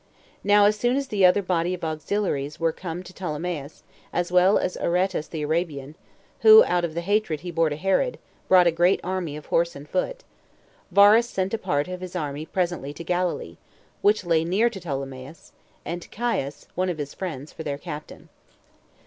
Now as soon as the other body of auxiliaries were come to Ptolemais, as well as Aretas the Arabian, [who, out of the hatred he bore to Herod, brought a great army of horse and foot,] Varus sent a part of his army presently to Galilee, which lay near to Ptolemais, and Caius, one of his friends, for their captain.